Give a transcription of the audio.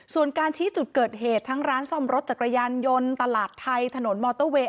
ส่วนการชี้จุดเกิดเหตุทั้งร้านซ่อมรถจักรยานยนต์ตลาดไทยถนนมอเตอร์เวย์